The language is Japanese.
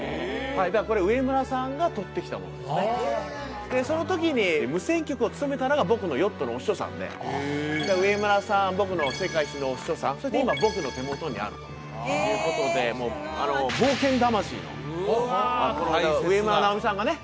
はいだからこれ植村さんがとってきたものですねでその時に無線局を務めたのが僕のヨットのお師匠さんでだから植村さん僕の世界一のお師匠さんそして今僕の手元にあるということで冒険魂の植村直己さんがね